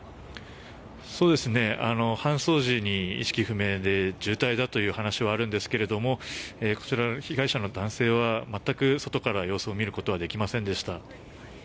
搬送時に意識不明で重体だという話はあるんですがこちら、被害者の男性は全く外から様子を見ることはできませんでした。